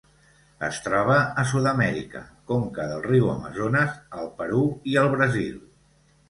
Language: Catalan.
Es troba a Sud-amèrica: conca del riu Amazones al Perú i el Brasil.